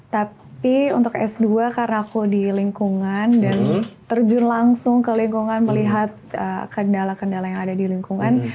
tapi untuk s dua karena aku di lingkungan dan terjun langsung ke lingkungan melihat kendala kendala yang ada di lingkungan